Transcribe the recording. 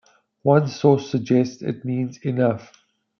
One source suggests it means, Enough!